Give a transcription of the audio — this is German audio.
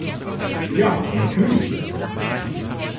Ja, natürlich!